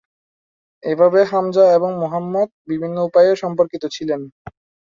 এভাবে হামজা এবং মুহম্মদ বিভিন্ন উপায়ে সম্পর্কিত ছিলেন।।